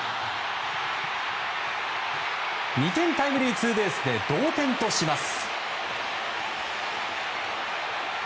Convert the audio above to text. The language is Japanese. ２点タイムリーツーベースで同点とします。